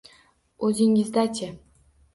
— Oʼzingizda-chi?